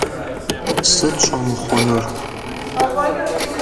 Сыт щӀэмыхъунур?